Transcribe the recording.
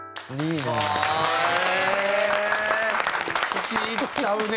聴き入っちゃうね